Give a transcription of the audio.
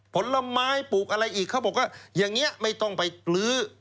ผลไม้ปลูกอะไรอีกเขาบอกว่าอย่างนี้ไม่ต้องไปลื้อ